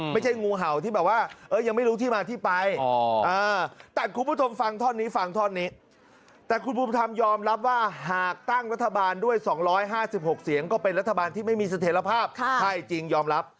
ไม่มีเสถียรภาพใช่จริงยอมรับ